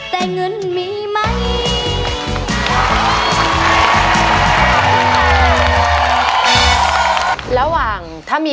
แต่เงินมีไหม